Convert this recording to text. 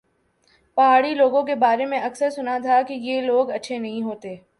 پہاڑی لوگوں کے بارے میں اکثر سنا تھا کہ یہ لوگ اچھے نہیں ہوتے